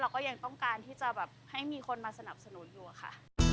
ก็ยังต้องการที่จะแบบให้มีคนมาสนับสนุนอยู่อะค่ะ